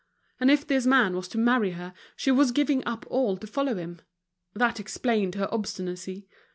And if this man was to marry her, she was giving up all to follow him: that explained her obstinacy.